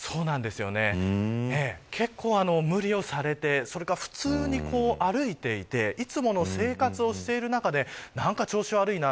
結構無理をされてそれから普通に歩いていていつもの生活をしている中で何か調子悪いな。